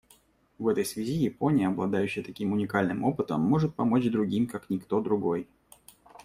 В этой связи Япония, обладающая таким уникальным опытом, может помочь другим как никто другой.